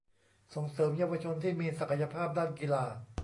ส่งเสริมเยาวชนที่มีศักยภาพด้านกีฬา